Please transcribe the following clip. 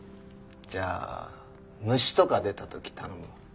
じゃあ虫とか出た時頼むわ。